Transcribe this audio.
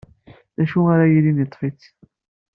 D acu ara yilin yeṭṭef-it?